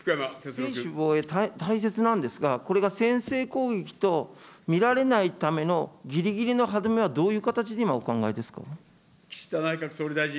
専守防衛、大切なんですが、これが先制攻撃と見られないためのぎりぎりの歯止めは今、どういう形でお考えですか。